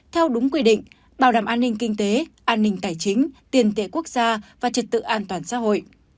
theo đúng quy định bảo đảm an ninh kinh tế an ninh tài chính tiền tệ quốc gia và trật tự an toàn xã hội